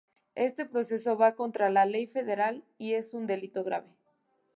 Este proceso va contra la ley federal y es un delito grave.